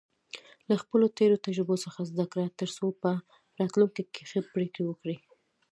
له خپلو تېرو تجربو څخه زده کړه، ترڅو په راتلونکي کې ښه پریکړې وکړې.